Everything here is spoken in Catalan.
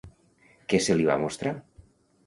Qui se li va mostrar?